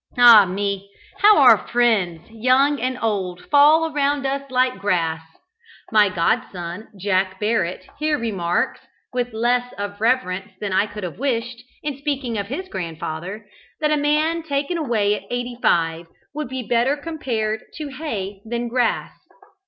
Ah, me! how our friends, young and old, fall around us, like grass. My godson, Jack Barrett, here remarks, with less of reverence than I could have wished, in speaking of his grandfather, that a man taken away at eighty five would be better compared to hay than grass.